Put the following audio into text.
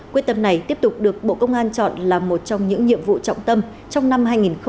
quyết tâm này tiếp tục được bộ công an chọn là một trong những nhiệm vụ trọng tâm trong năm hai nghìn hai mươi ba